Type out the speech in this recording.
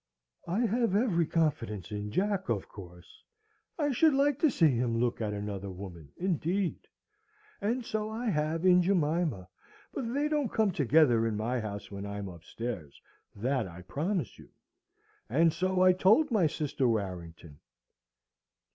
I have every confidence in Jack, of course. I should like to see him look at another woman, indeed! And so I have in Jemima but they don't come together in my house when I'm upstairs that I promise you! And so I told my sister Warrington."